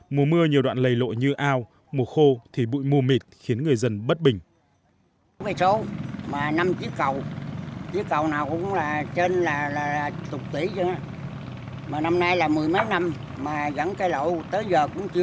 mùa mưa nhiều đoạn lầy lộ như ao mùa khô thì bụi mù mịt khiến người dân bất bình